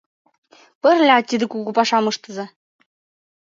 Пырля тиде кугу пашам ыштыза.